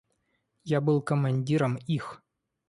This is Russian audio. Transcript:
Я был командиром их.